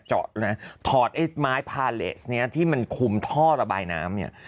เจาะนะถอดไอ้ไม้พาเลสเนี้ยที่มันคุมท่อระบายน้ำเนี่ย